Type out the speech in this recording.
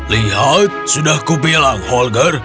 lihat sudah kubilang holger